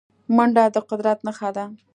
منډه د قدرت نښه ده